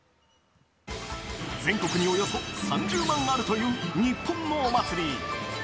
全国におよそ３０万あるという、日本のお祭り。